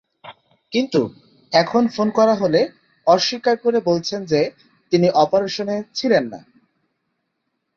কিন্তু এখন ফোন করা হলে অস্বীকার করে বলছেন যে, তিনি অপারেশনে ছিলেন না।